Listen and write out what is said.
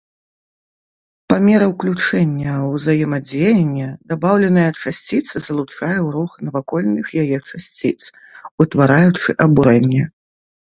Па меры ўключэння ўзаемадзеяння, дабаўленая часціца залучае ў рух навакольных яе часціц, утвараючы абурэнне.